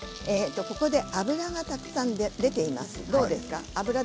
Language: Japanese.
ここで脂がたくさん出ています。